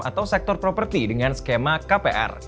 atau sektor properti dengan skema kpr